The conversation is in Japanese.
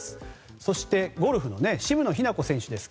そしてゴルフの渋野日向子選手。